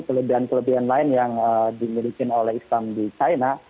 kelebihan kelebihan lain yang dimiliki oleh islam di china